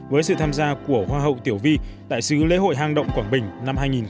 với sự tham gia của hoa hậu tiểu vi đại sứ lễ hội hang động quảng bình năm hai nghìn một mươi chín